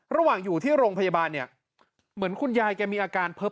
ระหว่างอยู่ที่โรงพยาบาลเนี่ยเหมือนคุณยายแกมีอาการเพิบ